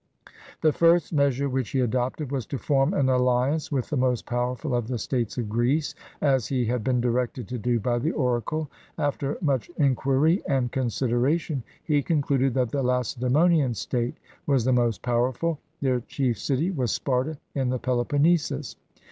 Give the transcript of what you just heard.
The first measure which he adopted was to form an alliance with the most powerful of the States of Greece, as he had been directed to do by the oracle. After much inquiry and consideration, he concluded that the Lace daemonian State was the most powerful. Their chief city was Sparta, in the Peloponnesus.